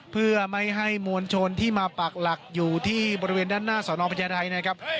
เพื่อไม่ให้มวลชนที่มาปากหลักอยู่ที่บริเวณด้านหน้าสอนอพญาไทยนะครับ